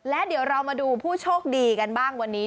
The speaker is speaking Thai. และเดี๋ยวเรามาดูผู้โชคดีกันบ้างวันนี้